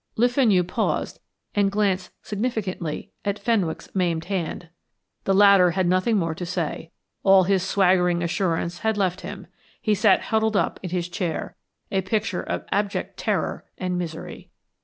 Le Fenu paused and glanced significantly at Fenwick's maimed hand. The latter had nothing more to say; all his swaggering assurance had left him he sat huddled up in his chair, a picture of abject terror and misery.